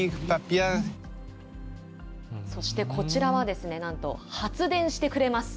そしてこちらはなんと発電してくれます。